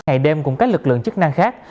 ngày đêm cùng các lực lượng chức năng khác